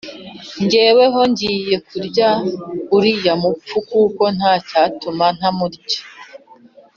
Jyeweho ngiye kurya uriya mupfu, kuko ntacyatuma ntamurya